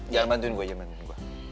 jangan bantuin gue aja bantuin gue